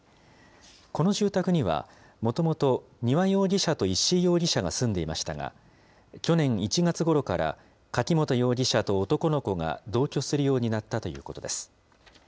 この住宅には、もともと丹羽容疑者と石井容疑者が住んでいましたが、去年１月ごろから柿本容疑者と男の子が同居するようになったということです。